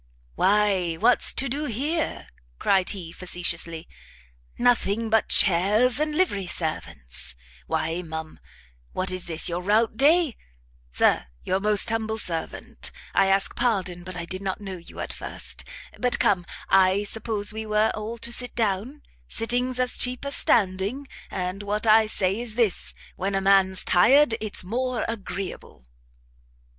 "Why what's to do here?" cried he, facetiously, "nothing but chairs and livery servants! Why, ma'am, what is this your rout day? Sir your most humble servant. I ask pardon, but I did not know you at first. But come, suppose we were all to sit down? Sitting's as cheap as standing, and what I say is this; when a man's tired, it's more agreeable."